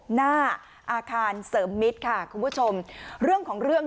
หน้าอาคารเสริมมิตรค่ะคุณผู้ชมเรื่องของเรื่อง